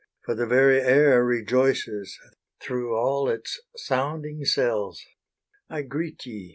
For the very air rejoices. Through all its sounding cells! I greet ye!